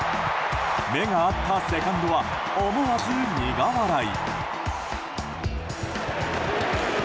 目が合ったセカンドは思わず苦笑い。